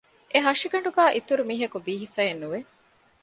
އެހަށިގަނޑުގައި އިތުރުމީހަކު ބީހިފައއެއްނުވެ